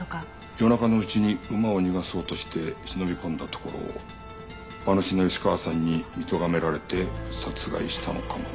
夜中のうちに馬を逃がそうとして忍び込んだところを馬主の吉川さんに見とがめられて殺害したのかもな。